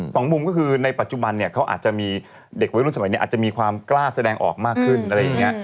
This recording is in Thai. สองมุมก็คือในปัจจุบันเนี่ยเขาอาจจะมีเด็กวัยรุ่นสมัยนี้อาจจะมีความกล้าแสดงออกมากขึ้นอะไรอย่างนี้